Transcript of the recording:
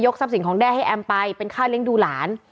ยกซับสิงของได้แอมไปเป็นข้าวเลี้ยงดูหลาน